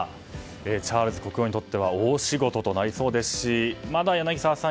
チャールズ国王にとっては大仕事となりそうですしまだ、柳澤さん